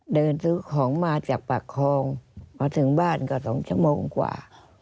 เดินซื้อของมาจากปากคลองมาถึงบ้านก็๒ชั่วโมงกว่า